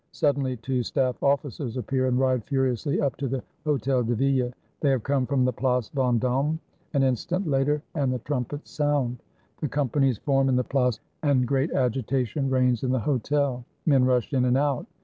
Suddenly two staff officers appear and ride furiously up to the Hotel de Ville; they have come from the Place Ven dome. An instant later and the trumpets sound. The companies form in the Place, and great agitation reigns in the Hotel. Men rush in and out.